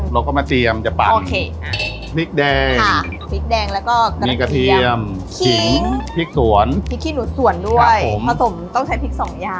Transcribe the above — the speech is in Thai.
เราก็มาเตรียมจะปั่นพริกแดงมีกระเทียมขิงพริกสวนพริกที่หนุดสวนด้วยผสมต้องใช้พริกสองอย่าง